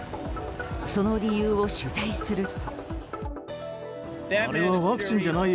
その理由を取材すると。